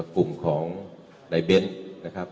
กลุ่มของนายเบ้นนะครับ